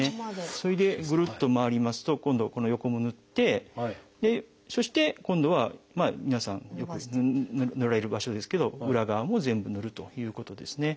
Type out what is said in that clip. それでぐるっと回りますと今度はこの横もぬってそして今度は皆さんよくぬられる場所ですけど裏側も全部ぬるということですね。